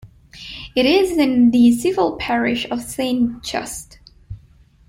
It is in the civil parish of Saint Just.